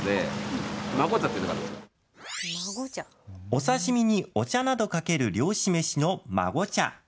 お刺身にお茶などかける漁師飯のまご茶。